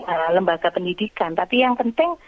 adalah lembaga pendidikan tapi yang penting